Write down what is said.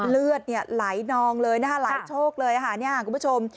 เลือดไหลนองเลยนะคะหลายโชคเลยค่ะเนี่ยคุณผู้ชม